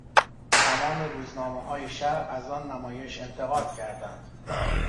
تمام روزنامههای شهر از آن نمایش انتقاد کردند.